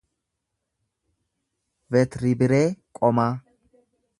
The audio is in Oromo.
vertibiree qomaa